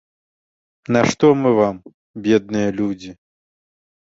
Нашто мы вам, бедныя людзі?